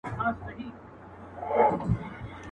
سکون مي ناکراره کي خیالونه تښتوي.